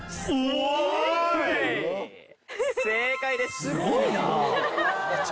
すごいな！